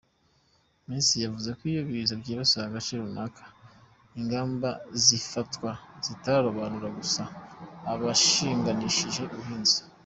Minisitiri yavuze ko iyo Ibiza byibasiye agace runaka, ingamba zifatwa zitarobanura gusa abashinganishije ubuhinzi.